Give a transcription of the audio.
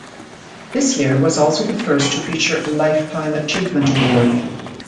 This year was also the first to feature a Lifetime Achievement Award.